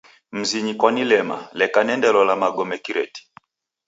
Mzinyi kwanilema leka niendelola magome kireti.